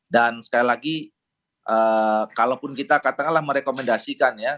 dan sekali lagi kalaupun kita katakanlah merekomendasikan ya